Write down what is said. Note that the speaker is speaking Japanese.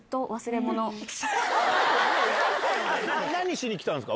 何しに来たんですか？